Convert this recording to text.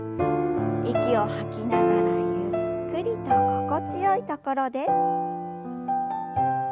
息を吐きながらゆっくりと心地よい所で。